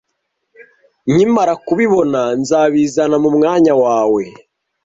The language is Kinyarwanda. Nkimara kubibona, nzabizana mu mwanya wawe.